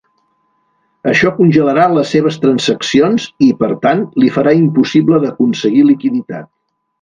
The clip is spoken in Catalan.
“Això congelarà les seves transaccions i, per tant, li farà impossible d’aconseguir liquiditat”.